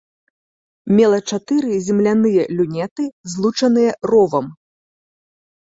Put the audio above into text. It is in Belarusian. Мела чатыры земляныя люнеты, злучаныя ровам.